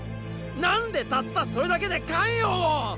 何でたったそれだけで咸陽をっ！